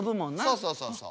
そうそうそうそう。